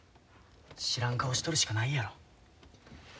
知らん顔しとるしかないやろ。